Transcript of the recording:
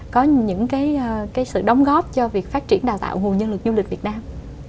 có những sự đóng góp cho việc phát triển đào tạo nguồn nhân lực du lịch việt nam